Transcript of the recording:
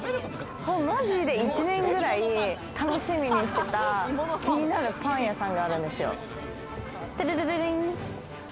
マジで１年ぐらい楽しみにしてた気になるパン屋さんがあるんですよ。